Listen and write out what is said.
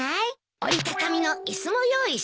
折り畳みの椅子も用意しないとね。